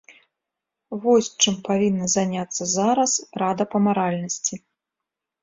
Вось чым павінна заняцца зараз рада па маральнасці!